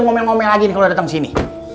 pastinya dia ngomel lagi kalau lagi dateng sini